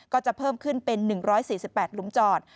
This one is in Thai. ก็จะเพิ่มขึ้นเป็น๑๔๘หลุมจอด